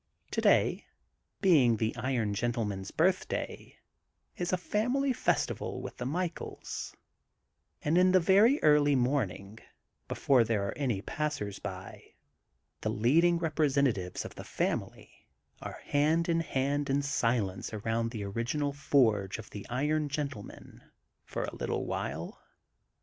Today, being the Iron Gentleman ^s birth day, is a family festival with the Michaels and, in the very early morning, before there are any passers by, the leading representa tives of the family are hand in hand in silence around the original forge of the Iron Gentle man, for a little while.